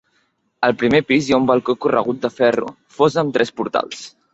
Al primer pis hi ha un balcó corregut de ferro fos amb tres portals.